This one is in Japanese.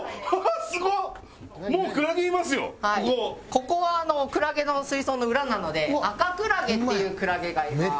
ここはクラゲの水槽の裏なのでアカクラゲっていうクラゲがいます。